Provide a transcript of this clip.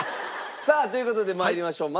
さあという事で参りましょう。